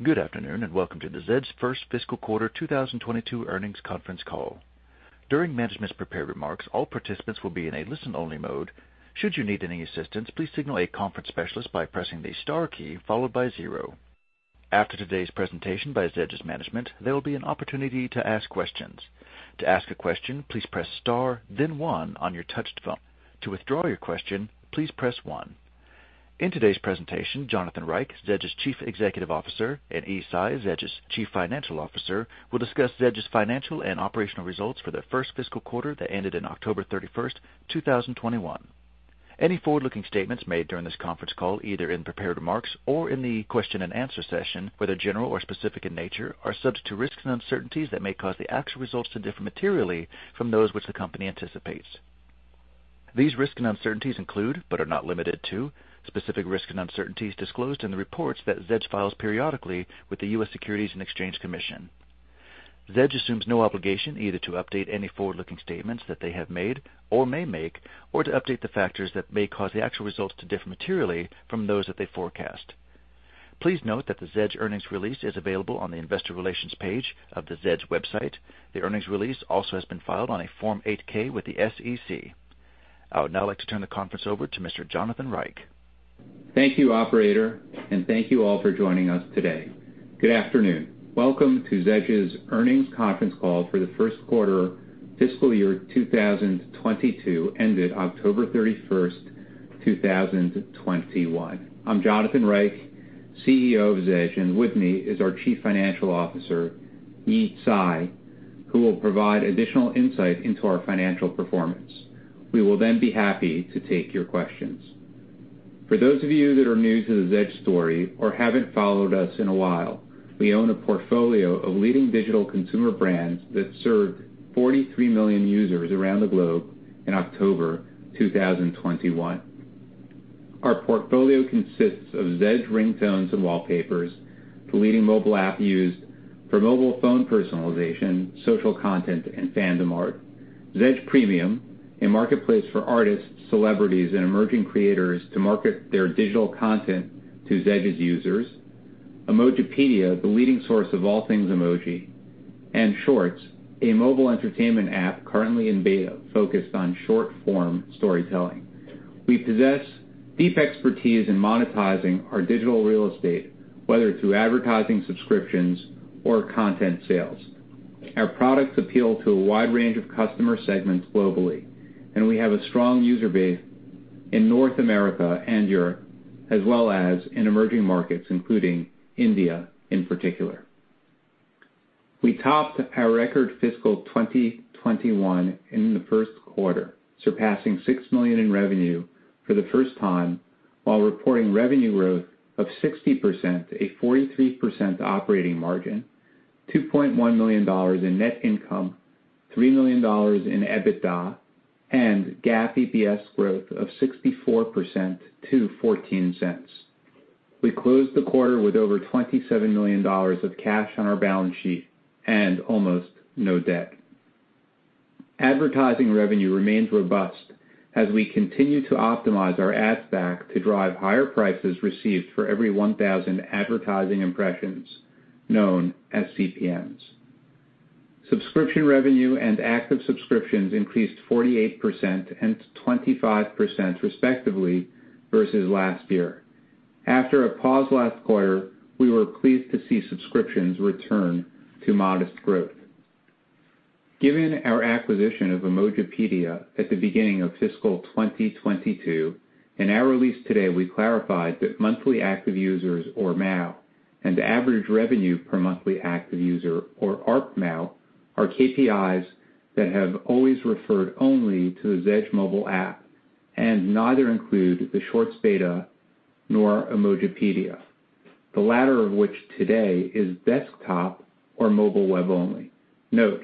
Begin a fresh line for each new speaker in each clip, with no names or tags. Good afternoon, and welcome to Zedge's first fiscal quarter 2022 earnings conference call. During management's prepared remarks, all participants will be in a listen-only mode. Should you need any assistance, please signal a conference specialist by pressing the star key followed by zero. After today's presentation by Zedge's management, there will be an opportunity to ask questions. To ask a question, please press star then one on your touch-tone. To withdraw your question, please press one. In today's presentation, Jonathan Reich, Zedge's Chief Executive Officer, and Yi Tsai, Zedge's Chief Financial Officer, will discuss Zedge's financial and operational results for the first fiscal quarter that ended October 31st, 2021. Any forward-looking statements made during this conference call, either in prepared remarks or in the question-and-answer session, whether general or specific in nature, are subject to risks and uncertainties that may cause the actual results to differ materially from those which the company anticipates. These risks and uncertainties include, but are not limited to, specific risks and uncertainties disclosed in the reports that Zedge files periodically with the U.S. Securities and Exchange Commission. Zedge assumes no obligation either to update any forward-looking statements that they have made or may make or to update the factors that may cause the actual results to differ materially from those that they forecast. Please note that the Zedge earnings release is available on the investor relations page of Zedge's website. The earnings release also has been filed on a Form 8-K with the SEC. I would now like to turn the conference over to Mr. Jonathan Reich.
Thank you, operator, and thank you all for joining us today. Good afternoon. Welcome to Zedge's earnings conference call for the first quarter fiscal year 2022 ended October 31st, 2021. I'm Jonathan Reich, CEO of Zedge, and with me is our Chief Financial Officer, Yi Tsai, who will provide additional insight into our financial performance. We will then be happy to take your questions. For those of you that are new to the Zedge story or haven't followed us in a while, we own a portfolio of leading digital consumer brands that served 43 million users around the globe in October 2021. Our portfolio consists of Zedge Ringtones and Wallpapers, the leading mobile app used for mobile phone personalization, social content, and fandom art. Zedge Premium, a marketplace for artists, celebrities, and emerging creators to market their digital content to Zedge's users. Emojipedia, the leading source of all things emoji, and Shortz, a mobile entertainment app currently in beta focused on short-form storytelling. We possess deep expertise in monetizing our digital real estate, whether through advertising subscriptions or content sales. Our products appeal to a wide range of customer segments globally, and we have a strong user base in North America and Europe, as well as in emerging markets, including India in particular. We topped our record fiscal 2021 in the first quarter, surpassing $6 million in revenue for the first time, while reporting revenue growth of 60%, a 43% operating margin, $2.1 million in net income, $3 million in EBITDA, and GAAP EPS growth of 64% to $0.14. We closed the quarter with over $27 million of cash on our balance sheet and almost no debt. Advertising revenue remains robust as we continue to optimize our ad stack to drive higher prices received for every 1,000 advertising impressions, known as CPMs. Subscription revenue and active subscriptions increased 48% and 25%, respectively, versus last year. After a pause last quarter, we were pleased to see subscriptions return to modest growth given our acquisition of Emojipedia at the beginning of fiscal 2022. In our release today, we clarified that monthly active users or MAU and average revenue per monthly active user or ARPMAU are KPIs that have always referred only to the Zedge mobile app and neither include the Shortz beta nor Emojipedia, the latter of which today is desktop or mobile web only. Note,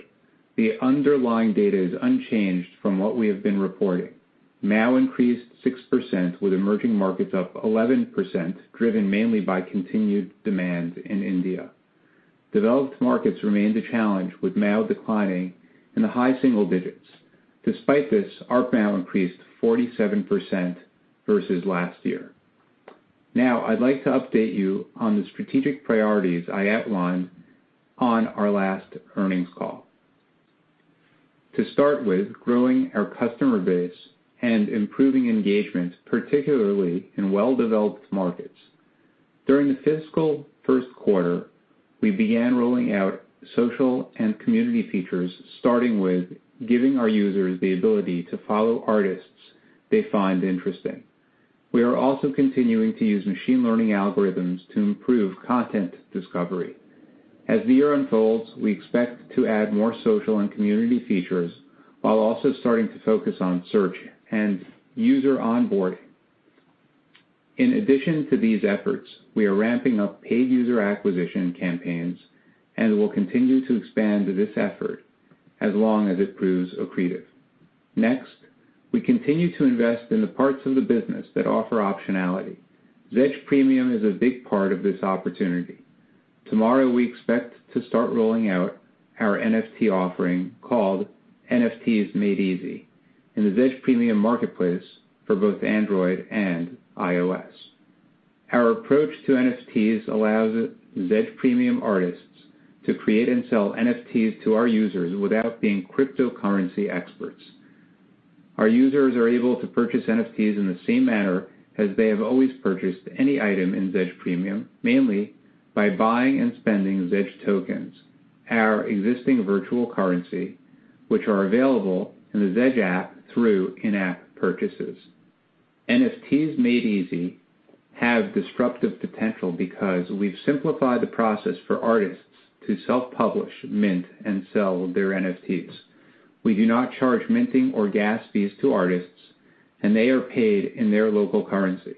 the underlying data is unchanged from what we have been reporting. MAU increased 6%, with emerging markets up 11%, driven mainly by continued demand in India. Developed markets remained a challenge, with MAU declining in the high single digits%. Despite this, ARPMAU increased 47% versus last year. Now, I'd like to update you on the strategic priorities I outlined on our last earnings call. To start with, growing our customer base and improving engagement, particularly in well-developed markets. During the fiscal first quarter, we began rolling out social and community features, starting with giving our users the ability to follow artists they find interesting. We are also continuing to use machine learning algorithms to improve content discovery. As the year unfolds, we expect to add more social and community features while also starting to focus on search and user onboarding. In addition to these efforts, we are ramping up paid user acquisition campaigns and will continue to expand this effort as long as it proves accretive. Next, we continue to invest in the parts of the business that offer optionality. Zedge Premium is a big part of this opportunity. Tomorrow, we expect to start rolling out our NFT offering called NFTs Made Easy in the Zedge Premium Marketplace for both Android and iOS. Our approach to NFTs allows Zedge Premium artists to create and sell NFTs to our users without being cryptocurrency experts. Our users are able to purchase NFTs in the same manner as they have always purchased any item in Zedge Premium, mainly by buying and spending Zedge tokens, our existing virtual currency, which are available in the Zedge app through in-app purchases. NFTs Made Easy have disruptive potential because we've simplified the process for artists to self-publish, mint, and sell their NFTs. We do not charge minting or gas fees to artists, and they are paid in their local currency.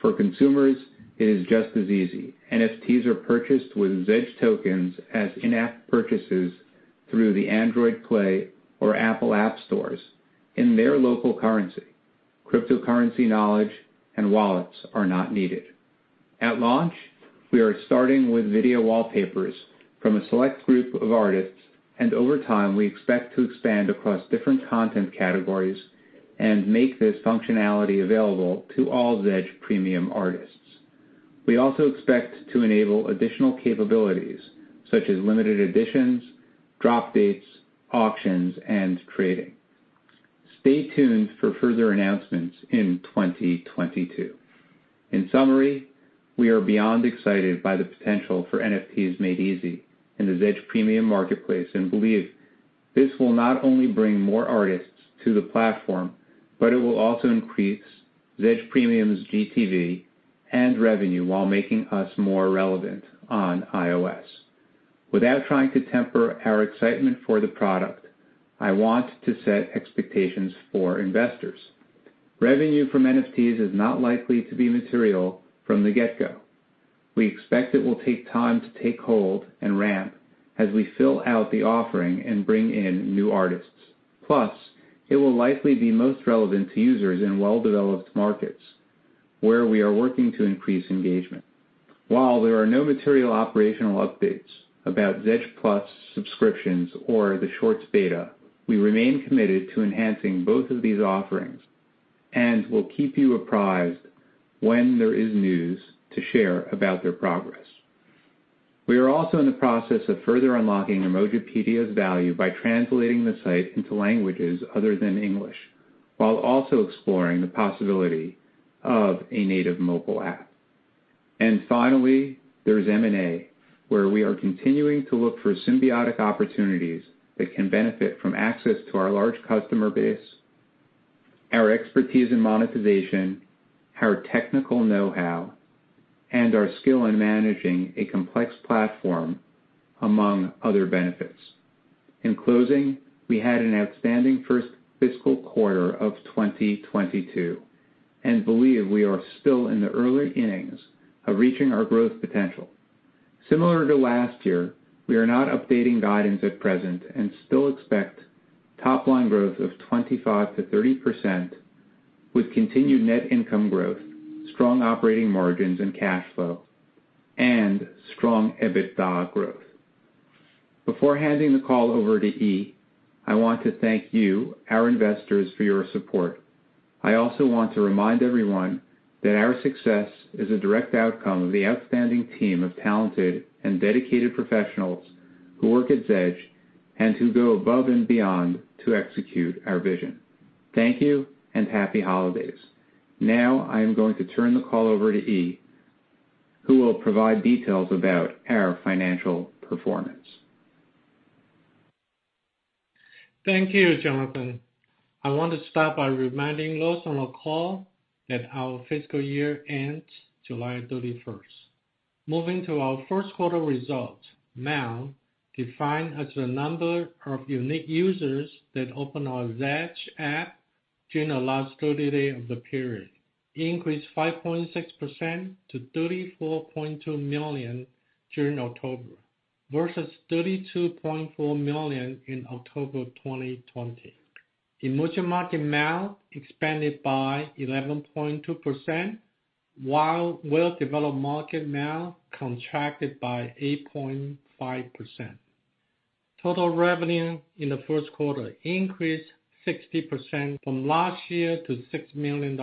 For consumers, it is just as easy. NFTs are purchased with Zedge tokens as in-app purchases through the Google Play or App Store in their local currency. Cryptocurrency knowledge and wallets are not needed. At launch, we are starting with video wallpapers from a select group of artists, and over time, we expect to expand across different content categories and make this functionality available to all Zedge Premium artists. We also expect to enable additional capabilities, such as limited editions, drop dates, auctions, and trading. Stay tuned for further announcements in 2022. In summary, we are beyond excited by the potential for NFTs Made Easy in the Zedge Premium Marketplace, and believe this will not only bring more artists to the platform, but it will also increase Zedge Premium's GTV and revenue while making us more relevant on iOS. Without trying to temper our excitement for the product, I want to set expectations for investors. Revenue from NFTs is not likely to be material from the get-go. We expect it will take time to take hold and ramp as we fill out the offering and bring in new artists. Plus, it will likely be most relevant to users in well-developed markets where we are working to increase engagement. While there are no material operational updates about Zedge+ subscriptions or the Shortz beta, we remain committed to enhancing both of these offerings and will keep you apprised when there is news to share about their progress. We are also in the process of further unlocking Emojipedia's value by translating the site into languages other than English, while also exploring the possibility of a native mobile app. Finally, there is M&A, where we are continuing to look for symbiotic opportunities that can benefit from access to our large customer base, our expertise in monetization, our technical know-how, and our skill in managing a complex platform, among other benefits. In closing, we had an outstanding first fiscal quarter of 2022, and believe we are still in the early innings of reaching our growth potential. Similar to last year, we are not updating guidance at present and still expect top line growth of 25%-30% with continued net income growth, strong operating margins and cash flow, and strong EBITDA growth. Before handing the call over to Yi, I want to thank you, our investors, for your support. I also want to remind everyone that our success is a direct outcome of the outstanding team of talented and dedicated professionals who work at Zedge and who go above and beyond to execute our vision. Thank you and happy holidays. Now I am going to turn the call over to Yi, who will provide details about our financial performance.
Thank you, Jonathan. I want to start by reminding those on the call that our fiscal year ends July 31st. Moving to our first quarter results. MAU, defined as the number of unique users that open our Zedge app during the last 30 days of the period, increased 5.6% to 34.2 million during October, versus 32.4 million in October 2020. Emerging market MAU expanded by 11.2%, while well-developed market MAU contracted by 8.5%. Total revenue in the first quarter increased 60% from last year to $6 million.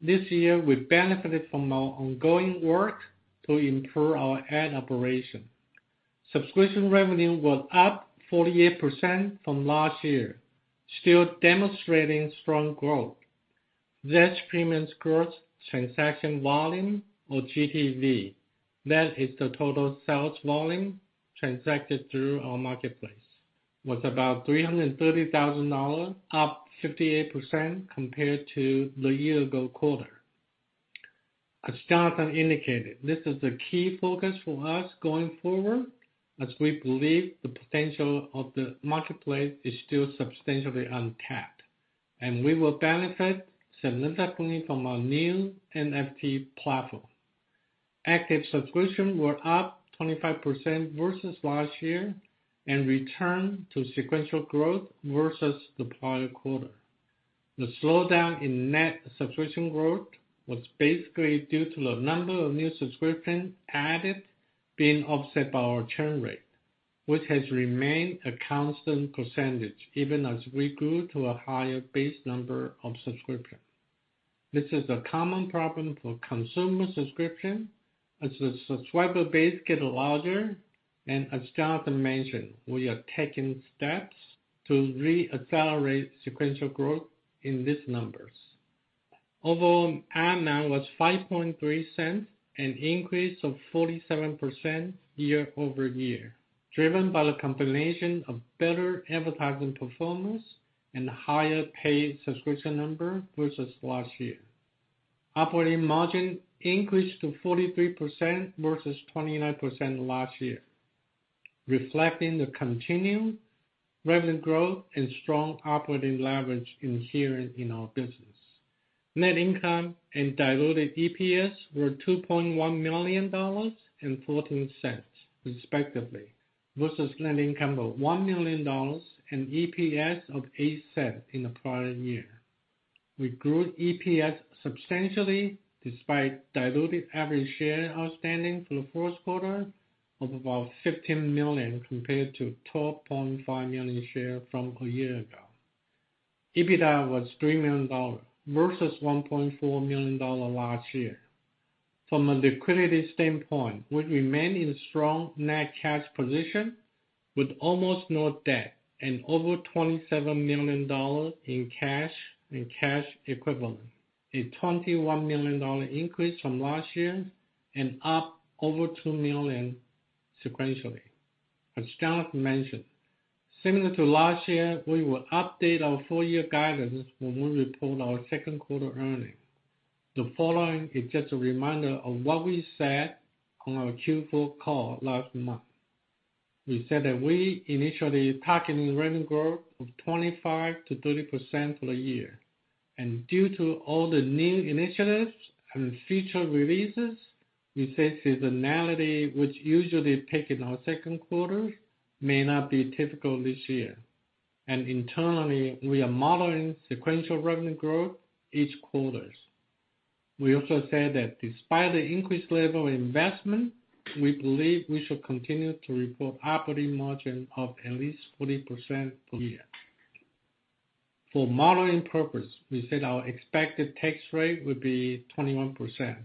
This year, we benefited from our ongoing work to improve our ad operation. Subscription revenue was up 48% from last year, still demonstrating strong growth. Zedge Premium's gross transaction volume, or GTV, that is the total sales volume transacted through our marketplace, was about $330,000, up 58% compared to the year-ago quarter. As Jonathan indicated, this is the key focus for us going forward, as we believe the potential of the marketplace is still substantially untapped, and we will benefit significantly from our new NFT platform. Active subscriptions were up 25% versus last year and returned to sequential growth versus the prior quarter. The slowdown in net subscription growth was basically due to the number of new subscriptions added being offset by our churn rate, which has remained a constant percentage even as we grew to a higher base number of subscriptions. This is a common problem for consumer subscription as the subscriber base get larger. As Jonathan mentioned, we are taking steps to re-accelerate sequential growth in these numbers. Overall, ARPMAU was $0.053, an increase of 47% year-over-year, driven by the combination of better advertising performance and higher paid subscription number versus last year. Operating margin increased to 43% versus 29% last year, reflecting the continued revenue growth and strong operating leverage inherent in our business. Net income and diluted EPS were $2.1 million and $0.14, respectively, versus net income of $1 million and EPS of $0.08 in the prior year. We grew EPS substantially despite diluted average shares outstanding for the first quarter of about 15 million compared to 12.5 million shares from a year ago. EBITDA was $3 million versus $1.4 million last year. From a liquidity standpoint, we remain in strong net cash position with almost no debt and over $27 million in cash and cash equivalent, a $21 million increase from last year and up over $2 million sequentially. As Jonathan mentioned, similar to last year, we will update our full year guidance when we report our second quarter earnings. The following is just a reminder of what we said on our Q4 call last month. We said that we initially targeting revenue growth of 25%-30% for the year. Due to all the new initiatives and feature releases, we said seasonality, which usually peak in our second quarter, may not be typical this year. Internally, we are modeling sequential revenue growth each quarters. We also said that despite the increased level of investment, we believe we should continue to report operating margin of at least 40% per year. For modeling purpose, we said our expected tax rate would be 21%,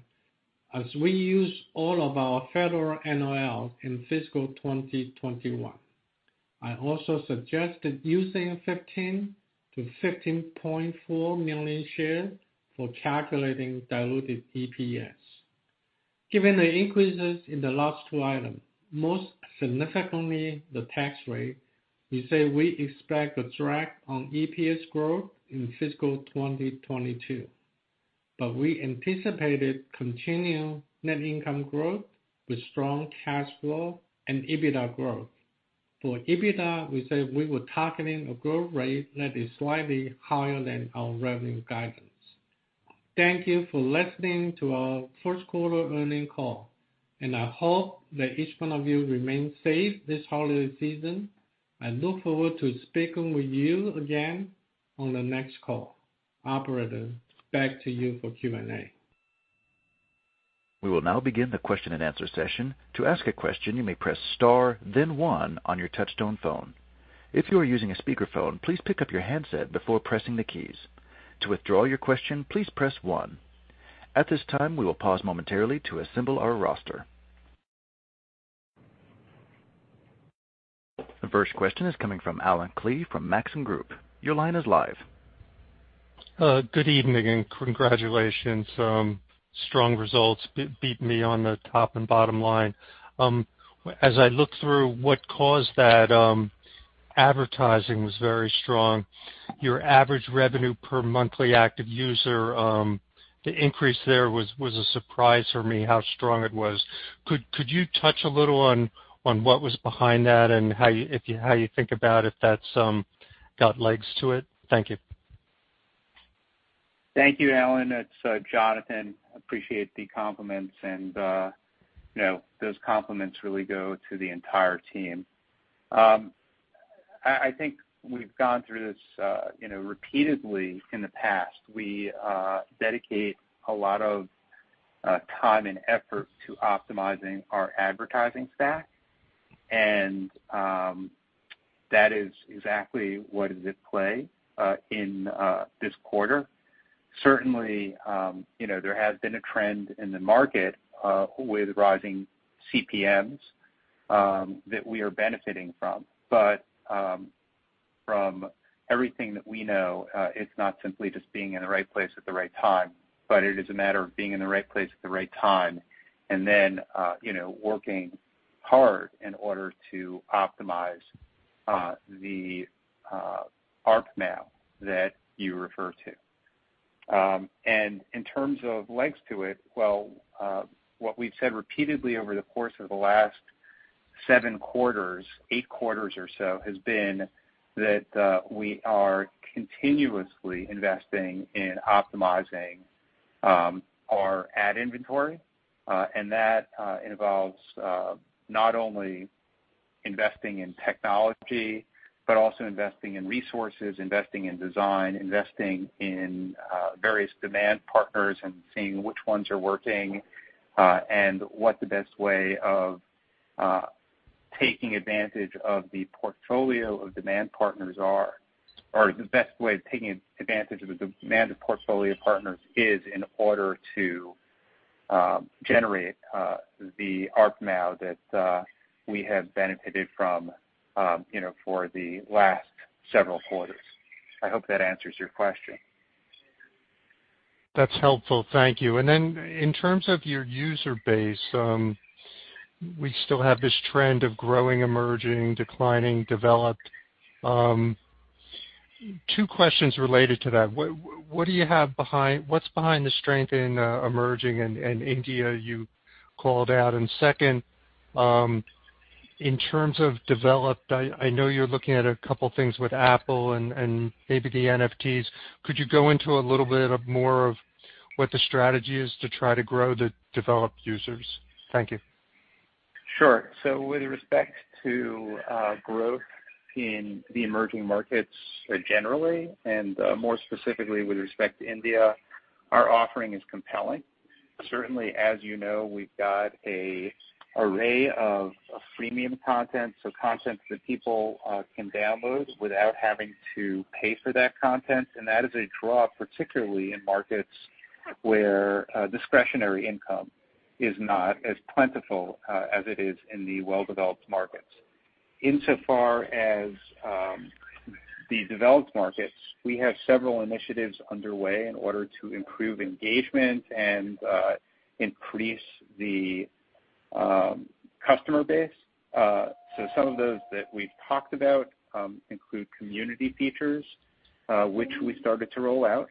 as we use all of our federal NOL in fiscal 2021. I also suggested using 15-15.4 million shares for calculating diluted EPS. Given the increases in the last two items, most significantly the tax rate, we say we expect a drag on EPS growth in fiscal 2022. We anticipated continued net income growth with strong cash flow and EBITDA growth. For EBITDA, we said we were targeting a growth rate that is slightly higher than our revenue guidance. Thank you for listening to our first quarter earnings call, and I hope that each one of you remain safe this holiday season. I look forward to speaking with you again on the next call. Operator, back to you for Q&A.
We will now begin the question-and-answer session. To ask a question, you may press star then one on your touchtone phone. If you are using a speakerphone, please pick up your handset before pressing the keys. To withdraw your question, please press one. At this time, we will pause momentarily to assemble our roster. The first question is coming from Allen Klee from Maxim Group. Your line is live.
Good evening and congratulations. Strong results. Beat me on the top and bottom line. As I look through what caused that, advertising was very strong. Your average revenue per monthly active user, the increase there was a surprise for me, how strong it was. Could you touch a little on what was behind that and how you think about if that's got legs to it? Thank you.
Thank you, Allen. It's Jonathan. I appreciate the compliments and, you know, those compliments really go to the entire team. I think we've gone through this, you know, repeatedly in the past. We dedicate a lot of time and effort to optimizing our advertising stack, and that is exactly what is at play in this quarter. Certainly, you know, there has been a trend in the market with rising CPMs that we are benefiting from. But from everything that we know, it's not simply just being in the right place at the right time, but it is a matter of being in the right place at the right time and then, you know, working hard in order to optimize the ARPMAU that you refer to. In terms of legs to it, well, what we've said repeatedly over the course of the last seven quarters, eight quarters or so, has been that we are continuously investing in optimizing our ad inventory, and that involves not only investing in technology but also investing in resources, investing in design, investing in various demand partners and seeing which ones are working, and what the best way of taking advantage of the portfolio of demand partners is in order to generate the ARPMAU that we have benefited from, you know, for the last several quarters. I hope that answers your question.
That's helpful. Thank you. Then in terms of your user base, we still have this trend of growing, emerging, declining, developed. Two questions related to that. What's behind the strength in emerging and India you called out? Second, in terms of developed, I know you're looking at a couple things with Apple and maybe the NFTs. Could you go into a little bit more of what the strategy is to try to grow the developed users? Thank you.
Sure. With respect to growth in the emerging markets generally and more specifically with respect to India, our offering is compelling. Certainly, as you know, we've got an array of freemium content, so content that people can download without having to pay for that content, and that is a draw, particularly in markets where discretionary income is not as plentiful as it is in the well-developed markets. Insofar as the developed markets, we have several initiatives underway in order to improve engagement and increase the customer base. Some of those that we've talked about include community features, which we started to roll out,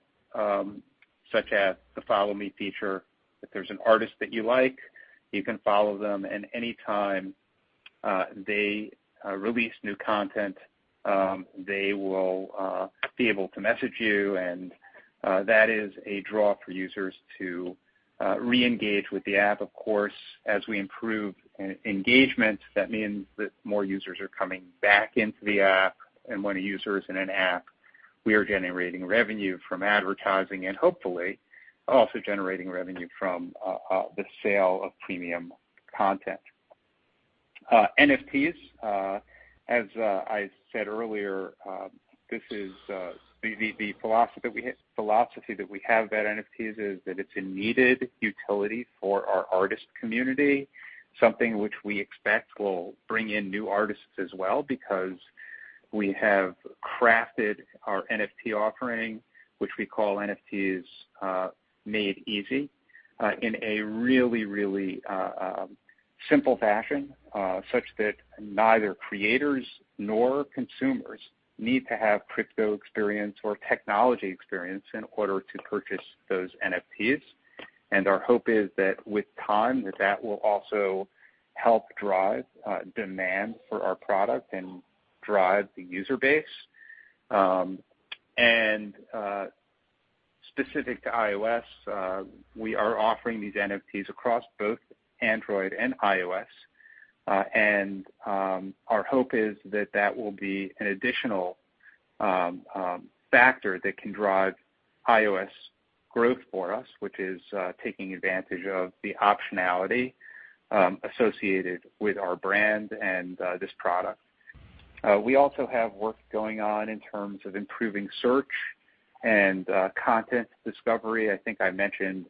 such as the Follow Me feature. If there's an artist that you like, you can follow them, and any time they release new content, they will be able to message you. That is a draw for users to reengage with the app. Of course, as we improve engagement, that means that more users are coming back into the app. When a user is in an app, we are generating revenue from advertising and hopefully also generating revenue from the sale of premium content. NFTs, as I said earlier, this is the philosophy that we have about NFTs is that it's a needed utility for our artist community, something which we expect will bring in new artists as well because we have crafted our NFT offering, which we call NFTs Made Easy, in a really simple fashion, such that neither creators nor consumers need to have crypto experience or technology experience in order to purchase those NFTs. Our hope is that with time, that will also help drive demand for our product and drive the user base. Specific to iOS, we are offering these NFTs across both Android and iOS. Our hope is that that will be an additional factor that can drive iOS growth for us, which is taking advantage of the optionality associated with our brand and this product. We also have work going on in terms of improving search and content discovery. I think I mentioned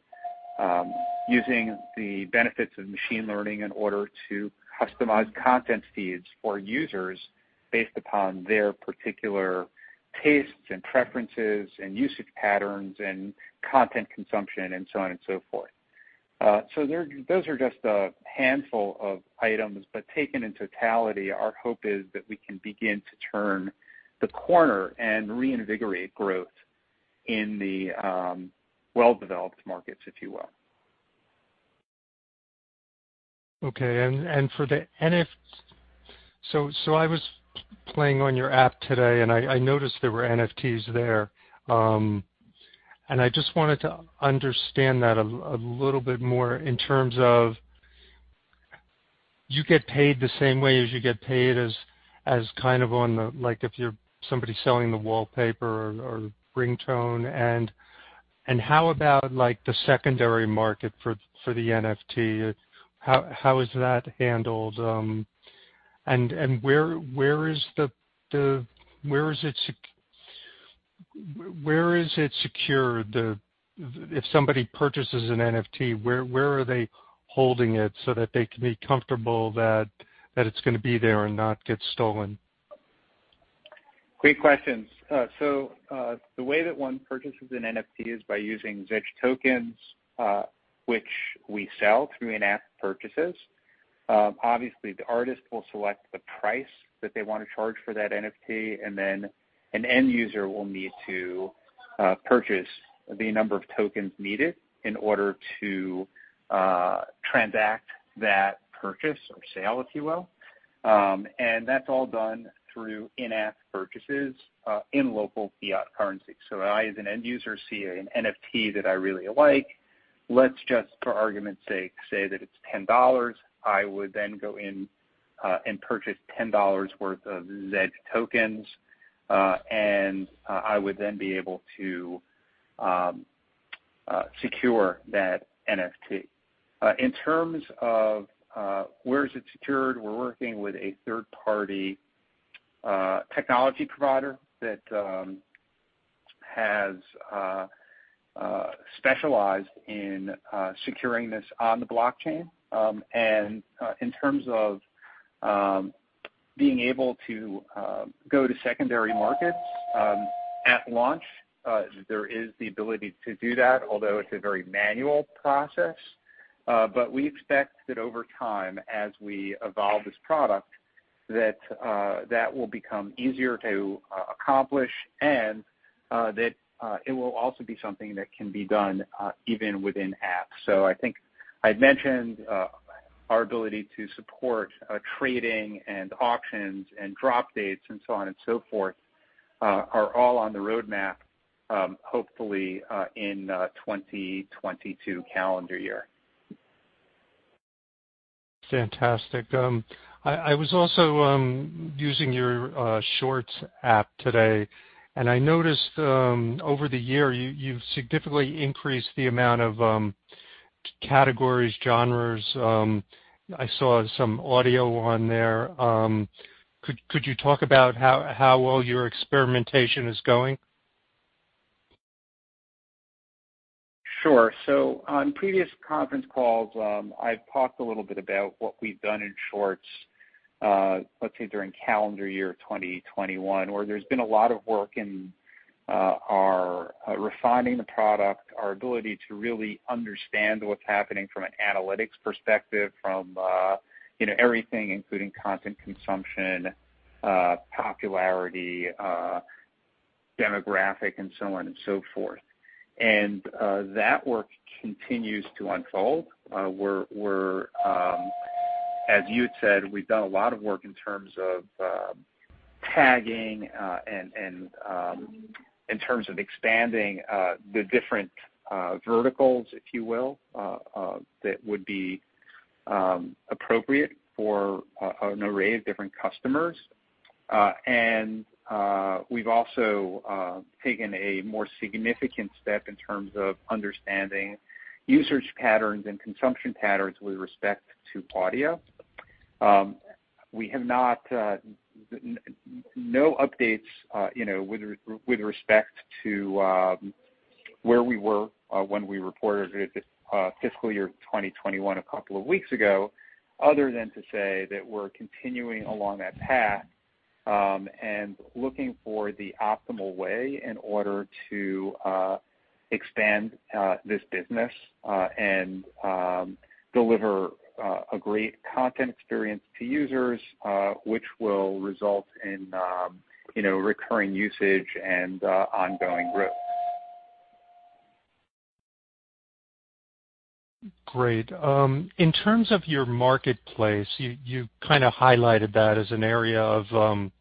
using the benefits of machine learning in order to customize content feeds for users based upon their particular tastes and preferences and usage patterns and content consumption and so on and so forth. Those are just a handful of items, but taken in totality, our hope is that we can begin to turn the corner and reinvigorate growth in the well-developed markets, if you will.
Okay. I was playing on your app today, and I noticed there were NFTs there. I just wanted to understand that a little bit more in terms of you get paid the same way as you get paid kind of on the, like if you're somebody selling the wallpaper or ringtone. How about like the secondary market for the NFT? How is that handled? Where is it secured? If somebody purchases an NFT, where are they holding it so that they can be comfortable that it's gonna be there and not get stolen?
Great questions. The way that one purchases an NFT is by using Zedge tokens, which we sell through in-app purchases. Obviously, the artist will select the price that they wanna charge for that NFT, and then an end user will need to purchase the number of tokens needed in order to transact that purchase or sale, if you will. That's all done through in-app purchases, in local fiat currency. I as an end user see an NFT that I really like. Let's just, for argument's sake, say that it's $10. I would then go in, and purchase $10 worth of Zedge tokens, and I would then be able to secure that NFT. In terms of where is it secured, we're working with a third-party technology provider that has specialized in securing this on the blockchain. In terms of being able to go to secondary markets, at launch, there is the ability to do that, although it's a very manual process. We expect that over time, as we evolve this product, that will become easier to accomplish and that it will also be something that can be done even within apps. I think I'd mentioned our ability to support trading and auctions and drop dates and so on and so forth are all on the roadmap, hopefully in 2022 calendar year.
Fantastic. I was also using your Shortz app today, and I noticed over the year, you've significantly increased the amount of categories, genres. I saw some audio on there. Could you talk about how well your experimentation is going?
Sure. On previous conference calls, I've talked a little bit about what we've done in Shortz, let's say during calendar year 2021, where there's been a lot of work in our refining the product, our ability to really understand what's happening from an analytics perspective, from you know, everything including content consumption, popularity, demographic, and so on and so forth. That work continues to unfold. We're as you had said, we've done a lot of work in terms of tagging, and in terms of expanding the different verticals, if you will, that would be appropriate for an array of different customers. We've also taken a more significant step in terms of understanding usage patterns and consumption patterns with respect to audio. We have no updates, you know, with respect to where we were when we reported it fiscal year 2021 a couple of weeks ago, other than to say that we're continuing along that path and looking for the optimal way in order to expand this business and deliver a great content experience to users, which will result in, you know, recurring usage and ongoing growth.
Great. In terms of your marketplace, you kind of highlighted that as an area of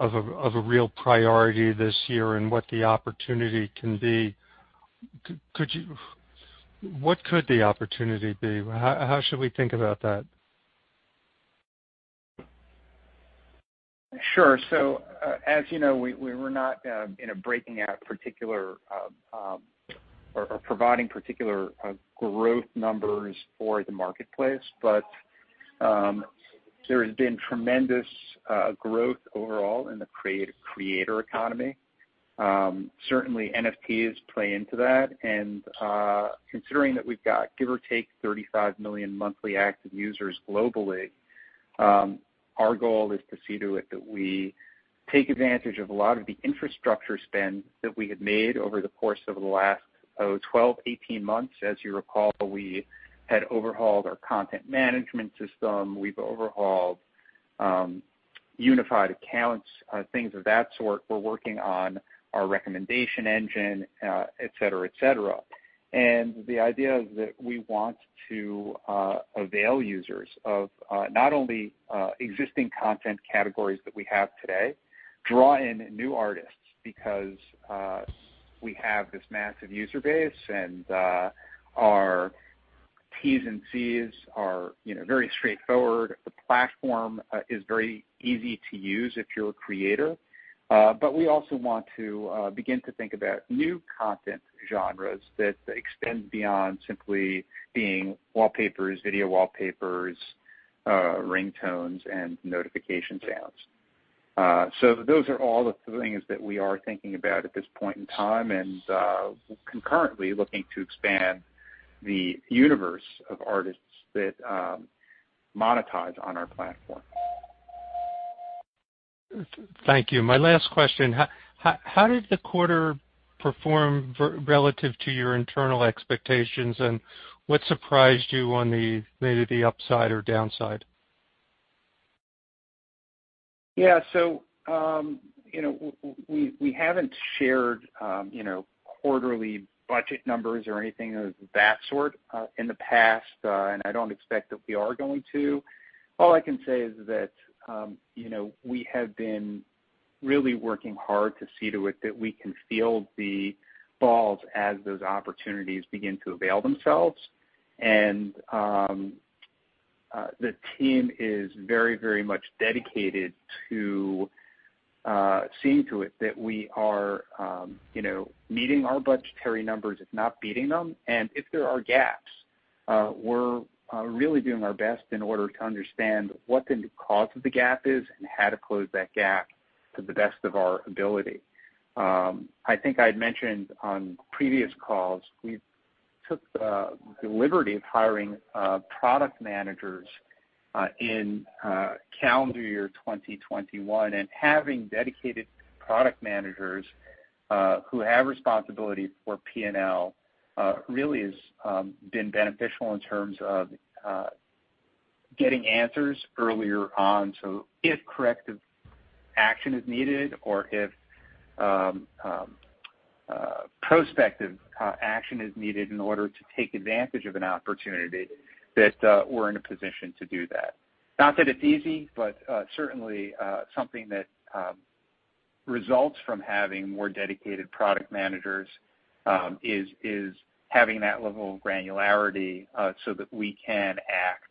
a real priority this year and what the opportunity can be. What could the opportunity be? How should we think about that?
Sure. As you know, we were not, you know, breaking out particular or providing particular growth numbers for the marketplace. There has been tremendous growth overall in the creator economy. Certainly NFTs play into that. Considering that we've got, give or take, 35 million monthly active users globally, our goal is to see to it that we take advantage of a lot of the infrastructure spend that we have made over the course of the last, oh, 12-18 months. As you recall, we had overhauled our content management system. We've overhauled unified accounts, things of that sort. We're working on our recommendation engine, et cetera. The idea is that we want to avail users of not only existing content categories that we have today, draw in new artists because we have this massive user base, and our T&Cs are, you know, very straightforward. The platform is very easy to use if you're a creator. We also want to begin to think about new content genres that extend beyond simply being wallpapers, video wallpapers, ringtones, and notification sounds. Those are all the things that we are thinking about at this point in time and concurrently looking to expand the universe of artists that monetize on our platform.
Thank you. My last question. How did the quarter perform relative to your internal expectations, and what surprised you on the, maybe the upside or downside?
You know, we haven't shared you know, quarterly budget numbers or anything of that sort in the past, and I don't expect that we are going to. All I can say is that you know, we have been really working hard to see to it that we can field the balls as those opportunities begin to avail themselves. The team is very much dedicated to seeing to it that we are you know, meeting our budgetary numbers, if not beating them. If there are gaps, we're really doing our best in order to understand what the cause of the gap is and how to close that gap to the best of our ability. I think I'd mentioned on previous calls, we took the liberty of hiring product managers in calendar year 2021. Having dedicated product managers who have responsibility for P&L really has been beneficial in terms of getting answers earlier on. If corrective action is needed or if prospective action is needed in order to take advantage of an opportunity, that we're in a position to do that. Not that it's easy, but certainly something that results from having more dedicated product managers is having that level of granularity so that we can act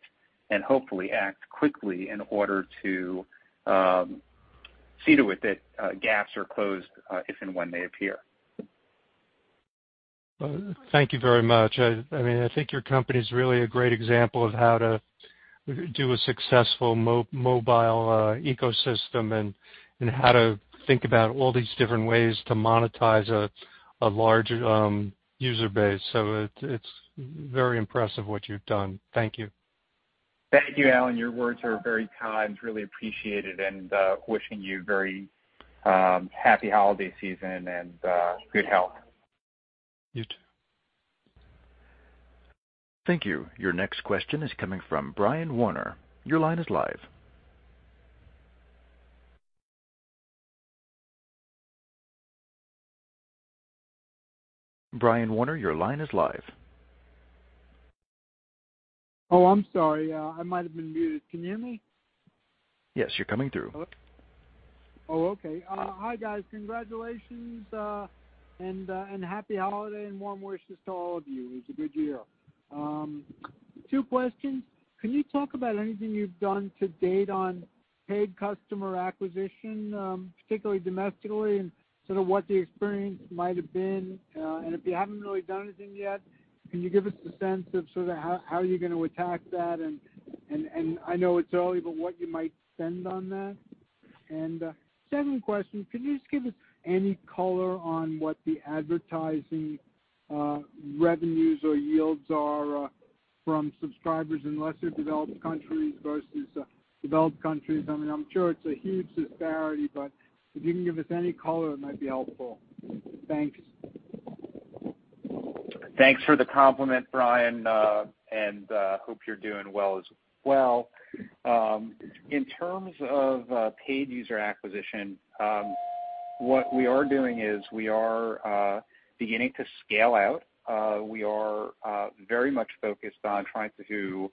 and hopefully act quickly in order to see to it that gaps are closed if and when they appear.
Thank you very much. I mean, I think your company is really a great example of how to do a successful mobile ecosystem and how to think about all these different ways to monetize a large user base. It's very impressive what you've done. Thank you.
Thank you, Allen. Your words are very kind, really appreciated. Wishing you very happy holiday season and good health.
You too.
Thank you. Your next question is coming from Brian Warner Your line is live. Brian Warner, your line is live.
Oh, I'm sorry, I might have been muted. Can you hear me?
Yes, you're coming through.
Hello? Okay. Hi, guys. Congratulations, and happy holiday and warm wishes to all of you. It was a good year. Two questions. Can you talk about anything you've done to date on paid customer acquisition, particularly domestically and sort of what the experience might have been? And if you haven't really done anything yet, can you give us a sense of sort of how you're gonna attack that? I know it's early, but what you might spend on that. Second question, can you just give us any color on what the advertising revenues or yields are from subscribers in lesser developed countries versus developed countries? I mean, I'm sure it's a huge disparity, but if you can give us any color, it might be helpful. Thanks.
Thanks for the compliment, Brian. Hope you're doing well as well. In terms of paid user acquisition, what we are doing is we are beginning to scale out. We are very much focused on trying to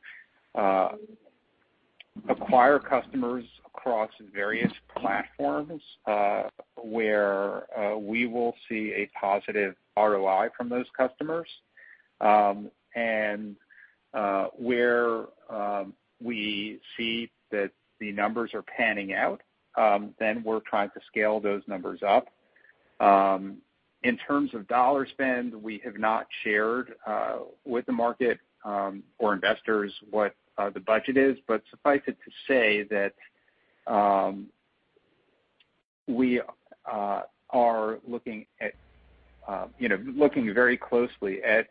acquire customers across various platforms, where we will see a positive ROI from those customers where we see that the numbers are panning out, then we're trying to scale those numbers up. In terms of dollar spend, we have not shared with the market or investors what the budget is. But suffice it to say that we are, you know, looking very closely at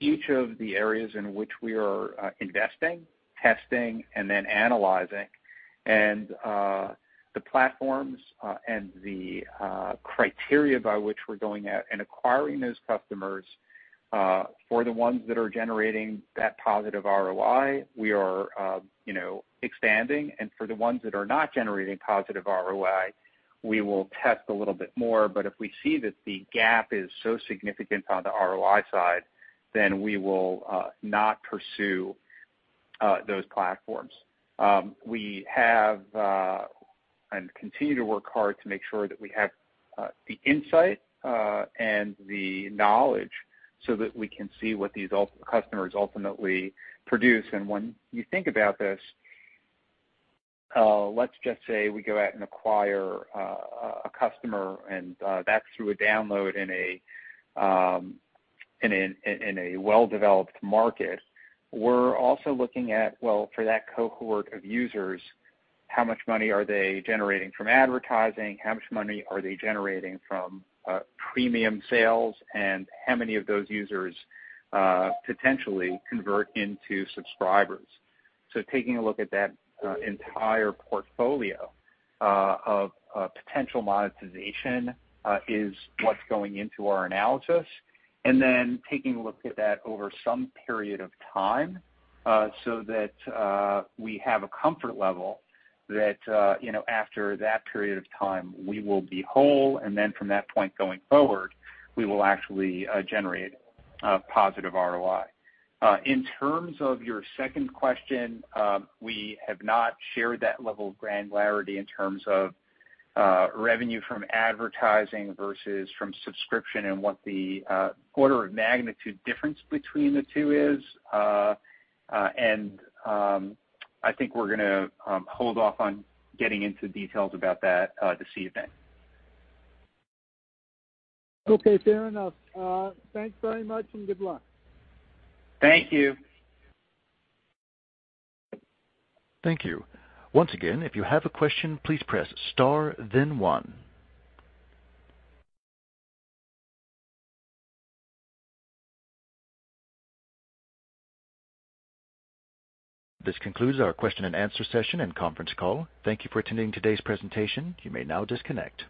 each of the areas in which we are investing, testing, and then analyzing. The platforms and the criteria by which we're going after and acquiring those customers for the ones that are generating that positive ROI, we are you know expanding. For the ones that are not generating positive ROI, we will test a little bit more. If we see that the gap is so significant on the ROI side, then we will not pursue those platforms. We have and continue to work hard to make sure that we have the insight and the knowledge so that we can see what these ultimate customers ultimately produce. When you think about this, let's just say we go out and acquire a customer and that's through a download in a well-developed market. We're also looking at, well, for that cohort of users, how much money are they generating from advertising, how much money are they generating from premium sales, and how many of those users potentially convert into subscribers. Taking a look at that entire portfolio of potential monetization is what's going into our analysis. Taking a look at that over some period of time so that we have a comfort level that you know, after that period of time, we will be whole, and then from that point going forward, we will actually generate a positive ROI. In terms of your second question, we have not shared that level of granularity in terms of revenue from advertising versus from subscription and what the order of magnitude difference between the two is. I think we're gonna hold off on getting into details about that this evening.
Okay, fair enough. Thanks very much, and good luck.
Thank you.
Thank you. Once again, if you have a question, please press star then one. This concludes our question-and-answer session and conference call. Thank you for attending today's presentation. You may now disconnect.